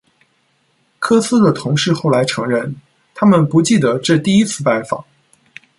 科斯的同事后来承认，他们不记得这第一次拜访。